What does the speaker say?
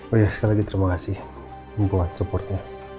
oh ya sekali lagi terima kasih buat supportnya